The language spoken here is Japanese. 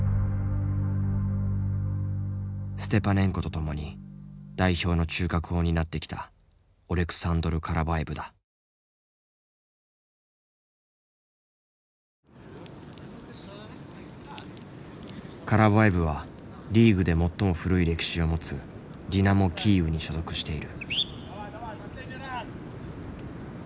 ステパネンコと共に代表の中核を担ってきたカラヴァエヴはリーグで最も古い歴史を持つディナモ・キーウに所属している。